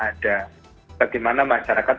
ada bagaimana masyarakat